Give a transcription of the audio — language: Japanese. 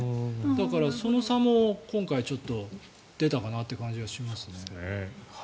だから、その差も今回、ちょっと出たかなという感じがしますね。